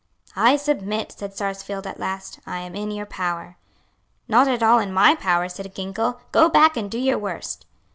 "I submit," said Sarsfield, at last: "I am in your power." "Not at all in my power," said Ginkell, "go back and do your worst."